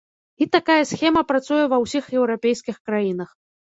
І такая схема працуе ва ўсіх еўрапейскіх краінах.